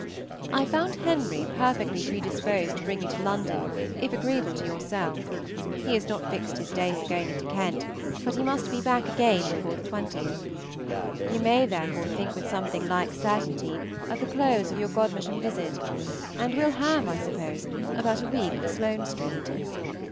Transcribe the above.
I found Henry perfectly predisposed to bring you to London if agreeable to yourself; he has not fixed his day for going into Kent, but he must be back again before ye 20th. You may therefore think with something like certainty of the close of your Godmersham visit, and will have, I suppose, about a week for Sloane Street.